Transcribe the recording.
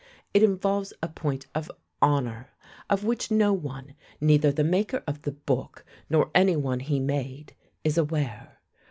It involves a point of honour, of which no one neither the maker of the book nor anyone he made is aware.